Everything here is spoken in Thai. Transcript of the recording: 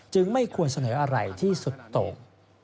ไม่ควรเสนออะไรที่สุดโต